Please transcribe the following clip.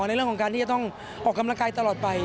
ในเรื่องของการที่จะต้องออกกำลังกายตลอดไป